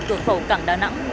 cửa khẩu cảng đà nẵng